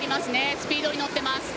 スピードに乗っています。